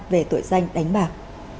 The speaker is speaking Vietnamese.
về tội danh đánh bạc